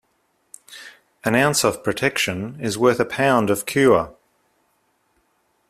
An ounce of protection is worth a pound of cure.